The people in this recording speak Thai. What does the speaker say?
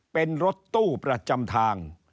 เป็นรถตู้ประจำทาง